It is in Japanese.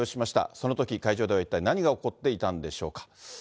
そのとき、会場では一体何が起こっていたんでしょうか。